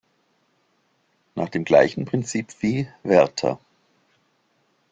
Nach dem gleichen Prinzip wie "Werther!